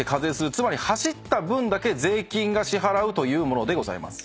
つまり走った分だけ税金を支払うというものでございます。